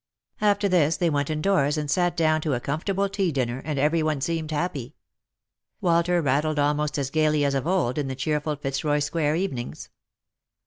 After this they went indoors and sat down to a comfortable tea dinner, and every one seemed happy. Walter rattled almost as gaily as of old in the oheerful Fitzroy square evenings.